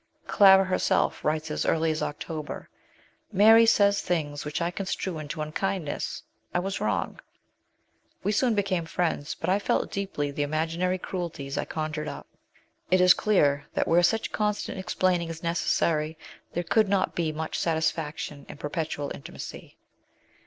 Clara herself writes as early as October " Mary says things which I con strue into unkindness. I was wrong. We soon became friends ; but I felt deeply the imaginary cruelties I conjured up/' It is clear that where such constant explaining is necessary there could not be much satisfaction in perpetual intimacy.